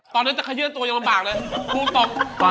ตอนนี้จะเขยืดตัวอย่างละบากเลยพูดตก